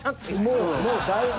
もうもうだいぶ。